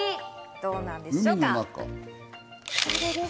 どうなんでしょうか。